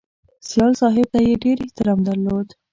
سیال صاحب ته یې ډېر احترام درلود